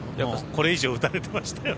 これ以上打たれてましたよ。